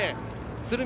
鶴見